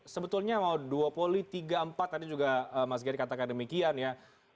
sebetulnya mau duopoli tiga empat tadi juga mas gery katakan demikian ya